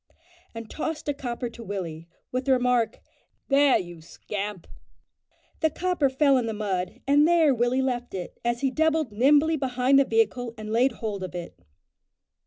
and tossed a copper to Willie, with the remark, "There, you scamp!" The copper fell in the mud, and there Willie left it, as he doubled nimbly behind the vehicle, and laid hold of it.